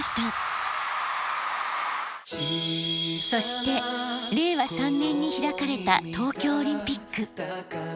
そして令和３年に開かれた東京オリンピック。